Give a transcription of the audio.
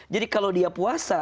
jadi kalau dia puasa